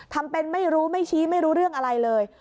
ทำเป็นไม่รู้ไม่ชี้ไม่รู้เรื่องอะไรเลย